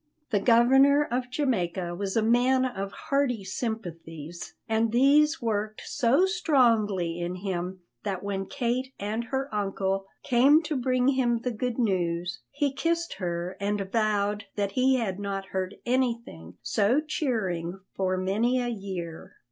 The Governor of Jamaica was a man of hearty sympathies, and these worked so strongly in him that when Kate and her uncle came to bring him the good news, he kissed her and vowed that he had not heard anything so cheering for many a year.